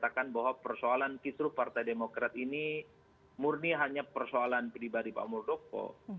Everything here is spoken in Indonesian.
saya ingin menyatakan bahwa persoalan fitru partai demokrat ini murni hanya persoalan pedibadi pak muldoko